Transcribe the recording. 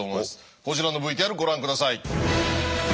こちらのＶＴＲご覧下さい。